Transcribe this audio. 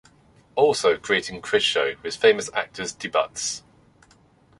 Also creating quiz show with famous actors' debuts.